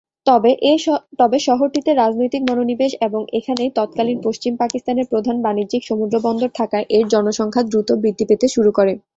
তবে শহরটিতে রাজনৈতিক মনোনিবেশ এবং এখানেই তৎকালীন পশ্চিম পাকিস্তানের প্রধান বাণিজ্যিক সমুদ্রবন্দর থাকায় এর জনসংখ্যা দ্রুত বৃদ্ধি পেতে শুরু করে।